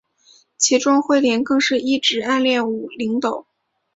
其中彗莲更是一直暗恋武零斗。